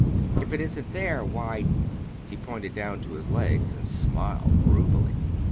If it isn't there, why " He pointed down to his legs, and smiled ruefully.